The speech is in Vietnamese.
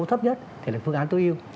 số thấp nhất thì là phương án tối ưu